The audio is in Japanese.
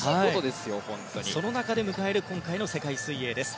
その中で迎える今回の世界水泳です。